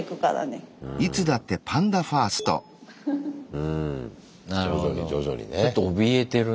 うん徐々に徐々にね。